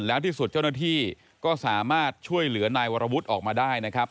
แล้วที่สุดเจ้าหน้าที่ก็สามารถช่วยเหลือนายวรวุฒิออกมาได้นะครับ